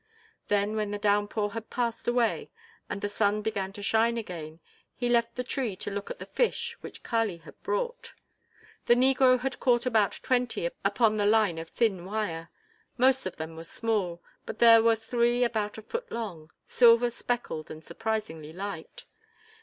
Then when the downpour had passed away and the sun began to shine again, he left the tree to look at the fish which Kali had brought. The negro had caught about twenty upon a line of thin wire. Most of them were small, but there were three about a foot long, silver speckled and surprisingly light.